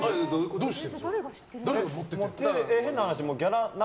どうして？